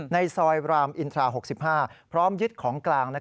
ในซอยรามอินทรา๖๕พร้อมยึดของกลาง